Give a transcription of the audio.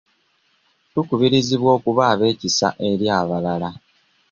Tukubirizibwa okuba ab'ekisa eri abalala.